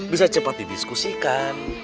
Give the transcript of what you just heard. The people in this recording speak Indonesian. bisa cepat didiskusikan